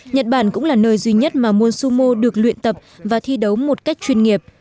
nhật bản cũng là nơi duy nhất mà munsumo được luyện tập và thi đấu một cách chuyên nghiệp